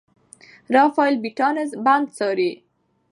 رافایل بیټانس بند څاري.